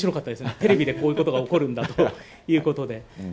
テレビでこういうことが起こるんだということで。